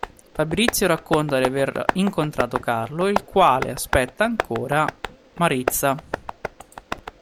Fabrizio racconta di aver incontrato Carlo il quale aspetta ancora Maritza.